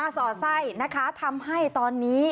สอดไส้นะคะทำให้ตอนนี้